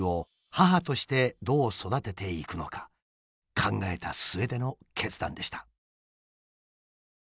考えた末での決断でした。